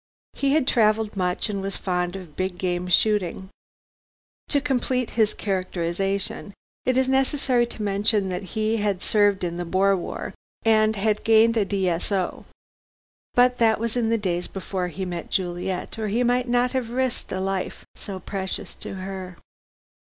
He had travelled much and was fond of big game shooting. To complete his characterization, it is necessary to mention that he had served in the Boer War, and had gained a D.S.O. But that was in the days before he met Juliet or he might not have risked a life so precious to her.